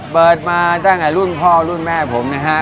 เปิดมาตั้งแต่รุ่นพ่อรุ่นแม่ผมนะฮะ